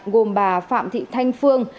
gồm bà phạm thị thanh phương